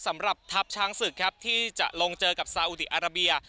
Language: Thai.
สำหรับทัพช้างศึกครับที่จะลงเจอกับซาอุดีอาราเบีย